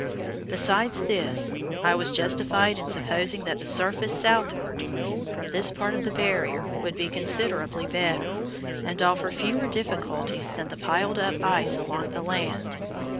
Besides this, I was justified in supposing that the surface southward from this part of the Barrier would be considerably better, and offer fewer difficulties than the piled up ice along the land.